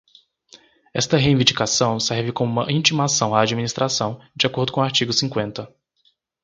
Esta reivindicação serve como uma intimação à administração, de acordo com o artigo cinquenta.